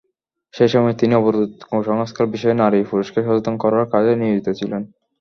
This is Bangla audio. সেই সময় তিনি অবরোধ-কুসংস্কার বিষয়ে নারী-পুরুষকে সচেতন করার কাজে নিয়োজিত ছিলেন।